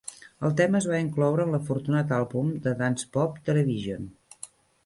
El tema es va incloure en l'afortunat àlbum de dance-pop "Television".